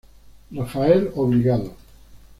Rafael Obligado.